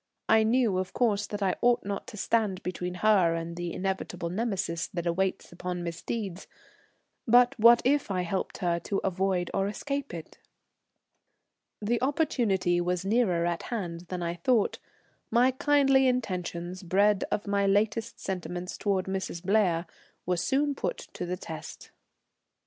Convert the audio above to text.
I knew, of course, that I ought not to stand between her and the inevitable Nemesis that awaits upon misdeeds, but what if I helped her to avoid or escape it? The opportunity was nearer at hand than I thought. My kindly intentions, bred of my latest sentiments towards Mrs. Blair, were soon to be put to the test.